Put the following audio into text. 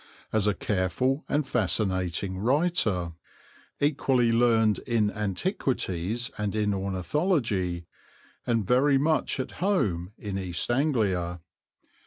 as a careful and fascinating writer, equally learned in antiquities and in ornithology, and very much at home in East Anglia.